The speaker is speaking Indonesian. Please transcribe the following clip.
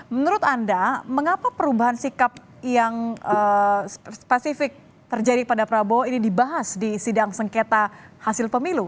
menurut anda mengapa perubahan sikap yang spesifik terjadi pada prabowo ini dibahas di sidang sengketa hasil pemilu